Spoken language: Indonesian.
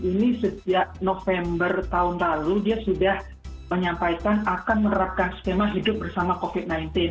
ini sejak november tahun lalu dia sudah menyampaikan akan menerapkan skema hidup bersama covid sembilan belas